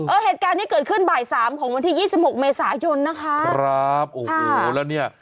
เออเหตุการณ์นี้เกิดขึ้นบ่าย๓ของวันที่๒๖เมษายนนะคะครับโอ้โหแล้วเนี่ย